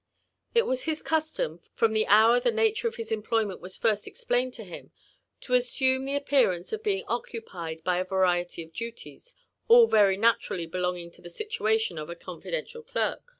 It was his custom, from the hour the nature ot his employment was first explained to him, to assume the appearance of being occupied by a variety of duties, all very naturally belonging to the situation of a confidential clerk.